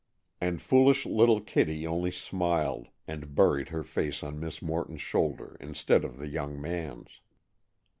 And foolish little Kitty only smiled, and buried her face on Miss Morton's shoulder instead of the young man's!